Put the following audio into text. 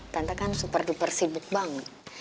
tante kan super duper sibuk banget